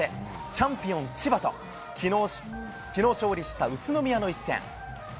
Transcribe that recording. チャンピオン、千葉と、きのう勝利した宇都宮の一戦。